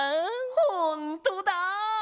ほんとだ！